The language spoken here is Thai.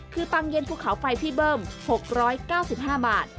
คือตังเย็นภูเขาไฟพี่เบิ้ม๖๙๕บาท